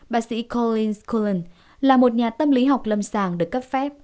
bác sĩ collins cohen là một nhà tâm lý học lâm sàng được cấp phép